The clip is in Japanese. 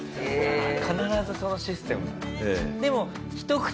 必ずそのシステムなんだ。